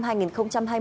đã bị phá hủy